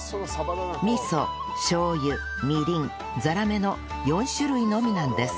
味噌しょう油みりんザラメの４種類のみなんです